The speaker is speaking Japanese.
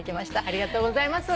ありがとうございます。